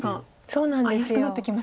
そうなんです。